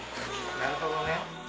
なるほどね。